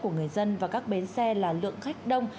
của người dân và các bến xe là lượng khách đông